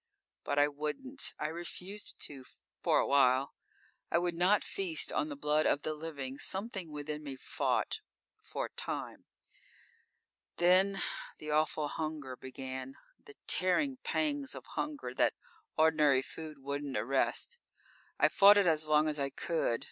"_ _But I wouldn't; I refused to for a while. I would not feast on the blood of the living. Something within me fought. For a time._ _Then, the awful hunger began. The tearing pangs of hunger that ordinary food wouldn't arrest. I fought it as long as I could.